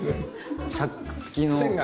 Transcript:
チャック付きの。